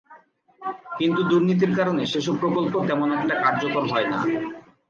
কিন্তু দুর্নীতির কারণে সেসব প্রকল্প তেমন একটা কার্যকর হয় না।